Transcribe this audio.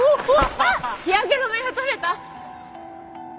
日焼け止めが取れた！